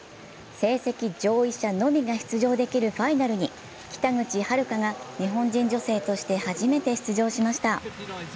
成績上位者のみが出場できるファイナルに、北口榛花が日本人女性として初めて出場しました。